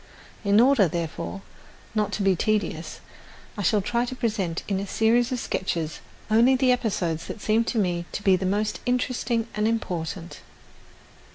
In order, therefore, not to be tedious I shall try to present in a series of sketches only the episodes that seem to me to be the most interesting and important.